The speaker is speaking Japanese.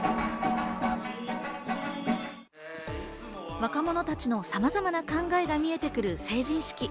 若者たちのさまざまな考えが見えてくる成人式。